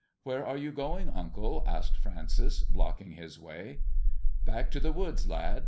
" Whereare you going, unclel" asked Francis, h his way. " Back to the woods, lad.